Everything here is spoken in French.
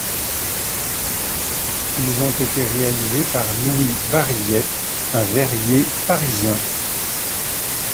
Ils ont été réalisés par Louis Barillet, un verrier parisien.